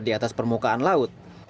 di atas permukaan laut